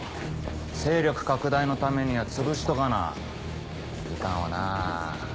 勢力拡大のためにはつぶしとかないかんわな。